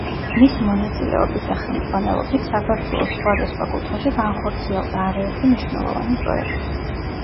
მისი მონაწილეობით და ხელმძღვანელობით საქართველოს სხვა და სხვა კუთხეში განხორციელდა არა ერთი მნიშვნელოვანი პროექტი.